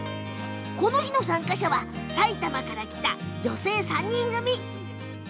この日の参加者は埼玉から来た女性３人組。